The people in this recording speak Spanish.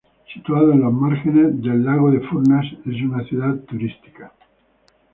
Situada en los márgenes del lago de Furnas, es una ciudad turística.